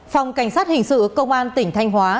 phòng cảnh sát hình sự công an tỉnh thanh hóa